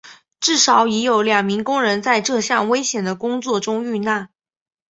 至少已有两名工人在这项危险的工作中遇难。